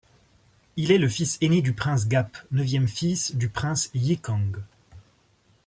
Il est le fils aîné du prince Gap, neuvième fils du prince Yi Kang.